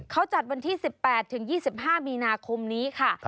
เขาจัดวันที่๑๘๒๕มีนาคมนี้ค่ะ